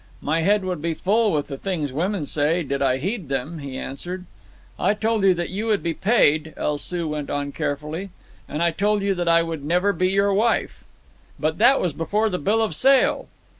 "My head would be full with the things women say, did I heed them," he answered. "I told you that you would be paid," El Soo went on carefully. "And I told you that I would never be your wife." "But that was before the bill of sale."